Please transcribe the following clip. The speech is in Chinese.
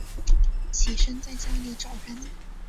起身在家里找人